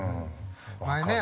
前ね